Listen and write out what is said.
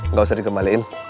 gak usah dikembalikan